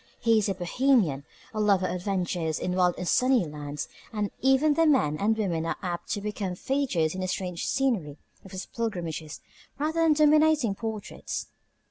He is a Bohemian, a lover of adventures in wild and sunny lands, and even the men and women are apt to become features in the strange scenery of his pilgrimages rather than dominating portraits.